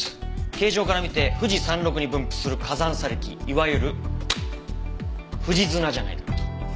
形状から見て富士山麓に分布する火山砂礫いわゆる富士砂じゃないのかと。